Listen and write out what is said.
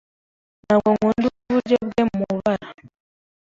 Ntabwo nkunda uburyohe bwe mubara.